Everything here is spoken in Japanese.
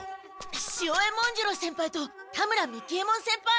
潮江文次郎先輩と田村三木ヱ門先輩！